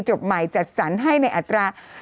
จบใหม่จัดสรรให้ในอัตรา